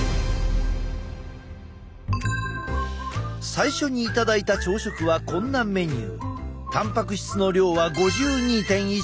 最初に頂いた朝食はこんなメニュー。